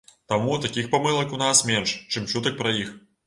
Таму, такіх памылак у нас менш, чым чутак пра іх.